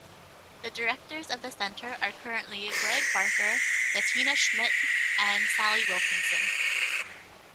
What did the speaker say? The directors of the Centre are currently Greg Barker, Bettina Schmidt and Sally Wilkinson.